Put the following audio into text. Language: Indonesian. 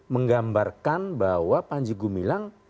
menggambarkan bahwa panji gumilang